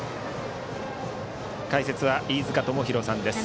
解説は飯塚智広さんです。